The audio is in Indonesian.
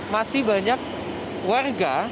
masih banyak warga